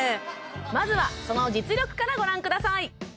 まずはその実力からご覧ください